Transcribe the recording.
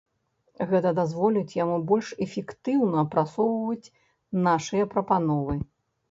Гэта дазволіць яму больш эфектыўна прасоўваць нашыя прапановы.